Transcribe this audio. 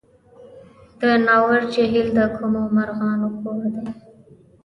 د ناور جهیل د کومو مرغانو کور دی؟